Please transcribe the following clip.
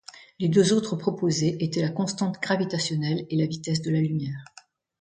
Les deux autres proposées étaient la constante gravitationnelle et la vitesse de la lumière.